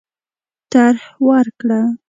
طرح ورکړه.